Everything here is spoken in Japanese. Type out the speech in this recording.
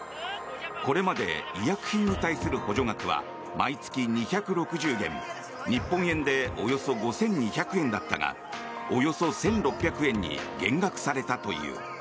これまで医薬品に対する補助額は毎月２６０元、日本円でおよそ５２００円だったがおよそ１６００円に減額されたという。